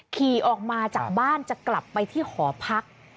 ขี่ออกมาจากบ้านจะกลับไปที่หอพัก